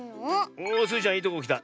おスイちゃんいいとこきた。